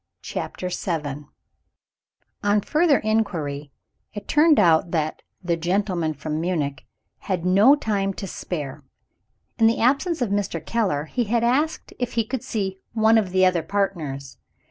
CHAPTER VII On further inquiry, it turned out that "the gentleman from Munich" had no time to spare. In the absence of Mr. Keller, he had asked if he could see "one of the other partners."